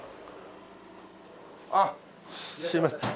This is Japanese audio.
あっすみません。